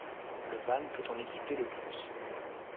Le van peut en équiper le plus.